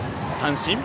三振。